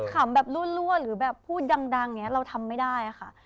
ขำแบบรั่วหรือแบบพูดดังเราทำไม่ได้ค่ะ